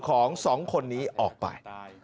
ของ๒คนนี้ออกไป